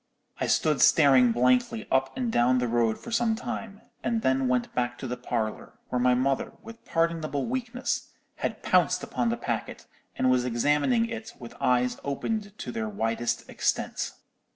"I stood staring blankly up and down the road for some time, and then went back to the parlour, where my mother, with pardonable weakness, had pounced upon the packet, and was examining it with eyes opened to their widest extent.